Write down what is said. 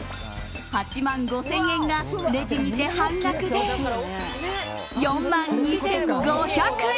８万５０００円がレジにて半額で４万２５００円。